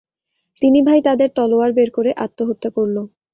তিনি ভাই তাদের তলোয়ার বের করে আত্মহত্যা করল।